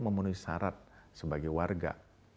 memenuhi syarat sebagai warga